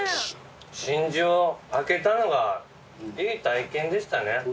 真珠を開けたのがいい体験でしたね。